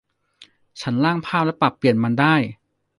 ฉันร่างภาพและปรับเปลี่ยนมันได้